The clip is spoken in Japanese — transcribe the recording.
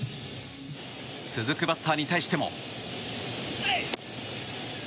続くバッターに対しても。